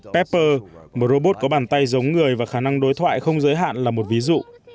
pepper một robot có bàn tay giống người và khả năng đối thoại không giới hạn là một ví dụ